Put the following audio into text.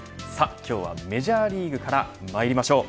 今日はメジャーリーグからまいりましょう。